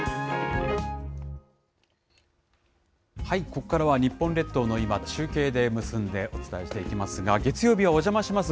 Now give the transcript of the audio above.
ここからは日本列島の今、中継で結んでお伝えしていきますが、月曜日は、おじゃまします！